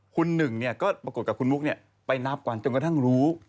คุณหนึ่งก็ปรากฏกับคุณมุกไปนับวันจนกระทั่งรู้